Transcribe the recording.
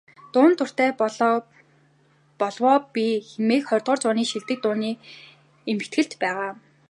"Дуунд дуртай болов оо би" хэмээх ХХ зууны шилдэг дууны эмхэтгэлд байгаа.